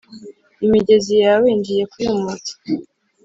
imigezi yawe ngiye kuyumutsa!»